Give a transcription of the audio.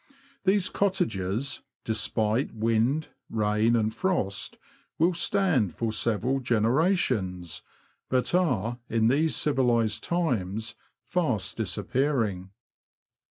These cottages, despite wind, rain, and frost, will stand for several generations, but are, in these civilised times, fast disappearing.